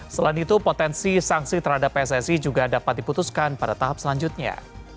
selain itu potensi sanksi terhadap pssi juga dapat diputuskan pada tahap selanjutnya